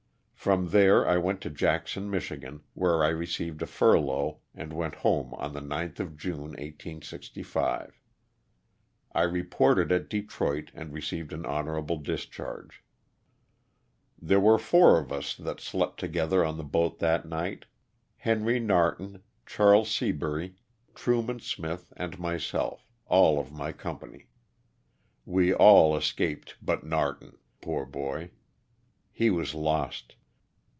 From there I went to Jackson, Mich., where I received a furlough and went home on LOSS OF THE SULTAN A. 377 the 9th of Junp, 1865. I reported at Detroit and received an honorable discharge. There were four of us that slept together on the boat that night: Henry Narton, Charles Seabury, Truman Smith, and myself, all of my company. We all escaped but Narton (poor boy). He was lost.